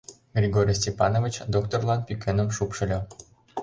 Григорий Степанович докторлан пӱкеным шупшыльо.